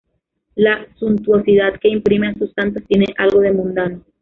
La suntuosidad que imprime a sus santos tiene algo de mundano.